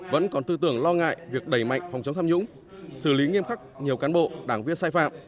vẫn còn tư tưởng lo ngại việc đẩy mạnh phòng chống tham nhũng xử lý nghiêm khắc nhiều cán bộ đảng viên sai phạm